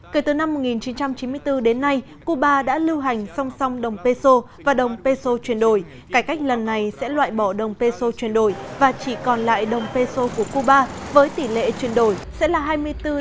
kể từ năm một nghìn chín trăm chín mươi bốn đến nay cuba đã lưu hành song song đồng peso và đồng peso chuyển đổi cải cách lần này sẽ loại bỏ đồng peso chuyển đổi và chỉ còn lại đồng peso của cuba với tỷ lệ chuyển đổi sẽ là hai mươi bốn đồng peso cho một đô la mỹ